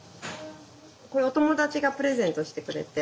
これはお友達がプレゼントしてくれて。